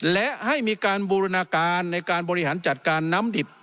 และให้มีการบูรณาการในการบริหารจัดการน้ำดิบ